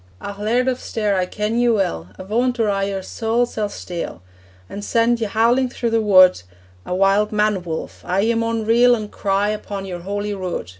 'Ah, Laird of Stair, I ken ye weel! Avaunt, or I your saul sall steal, An' send ye howling through the wood A wild man wolf aye, ye maun reel An' cry upon your Holy Rood!'